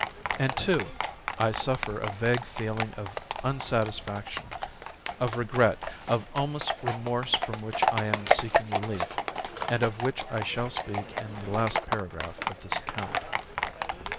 And, too, I suffer a vague feeling of unsatisfaction, of regret, of almost remorse, from which I am seeking relief, and of which I shall speak in the last paragraph of this account.